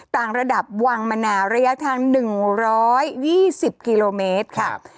ต่างระดับวังมะนาวระยะทาง๑๒๐กิโลเมตรค่ะ